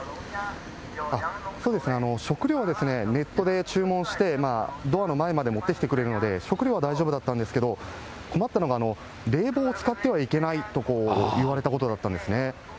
そうですね、食料はネットで注文して、ドアの前まで持ってきてくれるので、食料は大丈夫だったんですけど、困ったのが、冷房を使ってはいけないと言われたことがあったんですね。